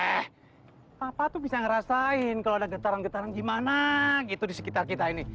eh papa tuh bisa ngerasain kalau ada getaran getaran gimana gitu di sekitar kita ini